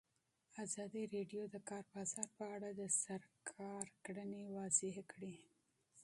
ازادي راډیو د د کار بازار په اړه د حکومت اقدامات تشریح کړي.